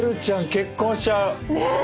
結婚しちゃう。ね！